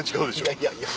いやいや。